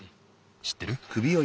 しってる？